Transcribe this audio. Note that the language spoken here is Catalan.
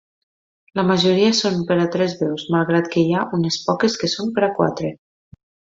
La majoria són per a tres veus, malgrat que hi ha unes poques que són per a quatre.